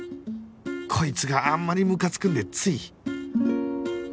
こいつがあんまりむかつくんでつい